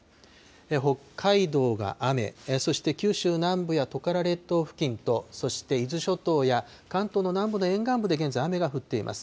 北海道が雨、そして九州南部やトカラ列島付近と、そして伊豆諸島や関東の南部の沿岸部で現在雨が降っています。